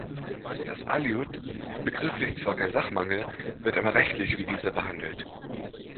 Das Aliud ist begrifflich zwar kein Sachmangel, wird aber rechtlich wie dieser behandelt.